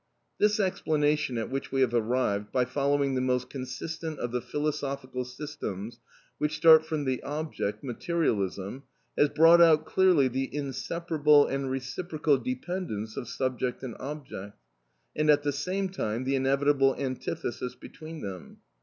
This explanation at which we have arrived by following the most consistent of the philosophical systems which start from the object, materialism, has brought out clearly the inseparable and reciprocal dependence of subject and object, and at the same time the inevitable antithesis between them.